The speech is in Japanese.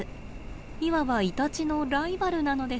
いわばイタチのライバルなのです。